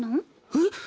えっ。